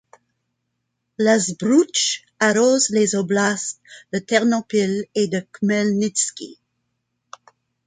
La Zbroutch arrose les oblasts de Ternopil et de Khmelnitski.